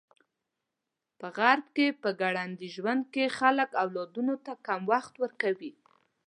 په غرب کې په ګړندي ژوند کې خلک اولادونو ته کم وخت ورکوي.